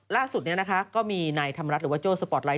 ล่าสุดนี้นะคะก็มีในธรรมรัฐหรือว่าโจรสปอร์ตไลท์